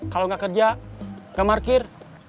kalau nggak kerja nggak parkir